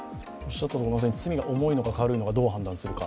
罪が重いのか軽いのかどう判断するのか。